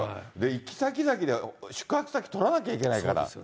行く先々で、宿泊先、取らなきゃいけないですから。